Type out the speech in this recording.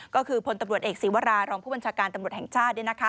ก็คือพลตำรวจเอกศีวรารองผู้บัญชาการตำรวจแห่งชาติ